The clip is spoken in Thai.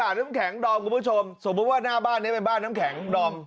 น้ำแข็งดอมคุณผู้ชมสมมุติว่าหน้าบ้านนี้เป็นบ้านน้ำแข็งดอม